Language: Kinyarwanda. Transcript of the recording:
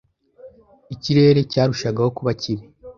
Ikirere cyarushagaho kuba kibi.